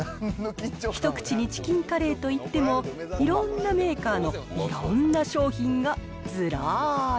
一口にチキンカレーといっても、いろんなメーカーのいろんな商品がずらーり。